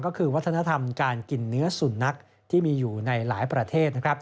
ก็คือวัฒนธรรมการกินเนื้อสุนัขที่มีอยู่ในหลายประเทศ